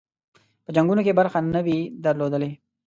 په جنګونو کې برخه نه وي درلودلې.